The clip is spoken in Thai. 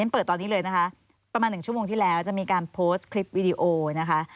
เปิดตอนนี้เลยนะคะประมาณ๑ชั่วโมงที่แล้วจะมีการโพสต์คลิปวิดีโอนะคะ